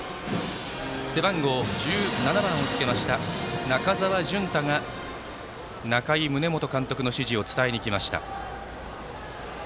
背番号１７番をつけた中澤惇太が仲井宗基監督の指示を伝えにきました。